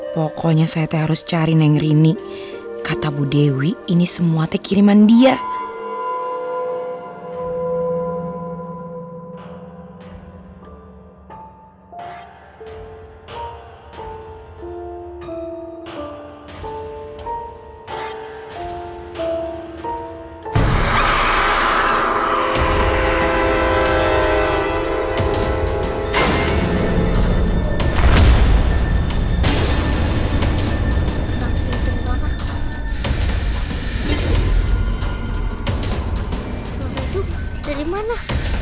pokoknya saya mau ke rumahnya tapi saya nggak mau ke rumahnya tapi saya nggak mau ke rumahnya